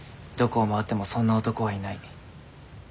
どこを回ってもそんな男はいない。